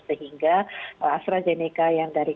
sehingga astrazeneca yang dari